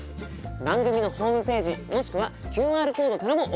番組のホームページもしくはＱＲコードからも送っていただけます。